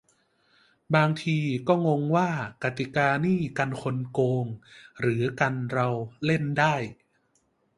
"บางทีก็งงว่ากติกานี่กันคนโกง หรือกันเราเล่นได้"